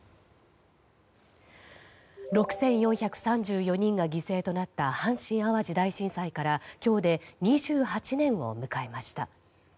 ６４３４人が犠牲となった阪神・淡路大震災から今日で２８年を迎えました。